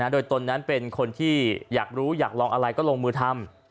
โดยตนนั้นเป็นคนที่อยากรู้อยากลองอะไรก็ลงมือทำ